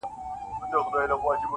کرۍ ورځ یې مزل کړی وو دمه سو -